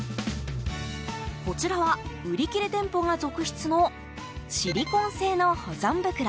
こちらは売り切れ店舗が続出のシリコン製の保存袋。